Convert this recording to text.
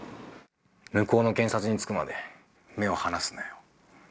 向こうの検察に着くまで目を離すなよ。